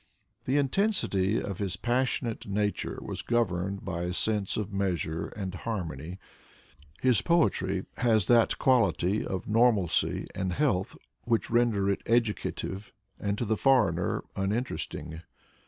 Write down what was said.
The intensity of his pas sionate nature was governed by a sense of measure and harmony. His poetry has that quality of normalcy and health which render it educative, and to the foreigner — uninteresting.